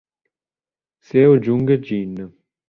Seo Jung-jin